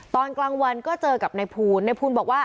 ตอนกลางวันก็เจอกับนายภูลในภูลบอกว่า